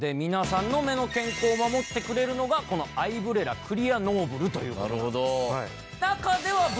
皆さんの目の健康を守ってくれるのがこのアイブレラクリアノーブルということなんです。